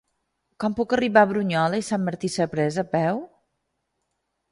Com puc arribar a Brunyola i Sant Martí Sapresa a peu?